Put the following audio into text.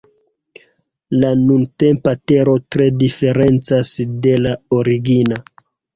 La nuntempa Tero tre diferencas de la origina.